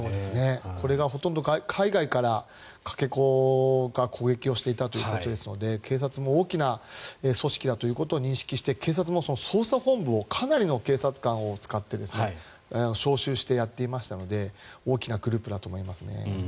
これがほとんど海外からかけ子が攻撃をしていたということで警察も大きな組織だということを認識して警察も捜査本部をかなりの警察官を使って招集してやっていましたので大きなグループだと思いますね。